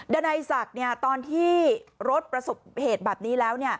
ดานัยศักดิ์ตอนที่รถประสบเหตุแบบนี้แล้ว